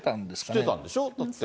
してたんでしょ？だって。